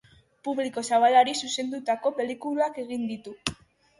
Publiko zabalari zuzendutako pelikulak egin ditu.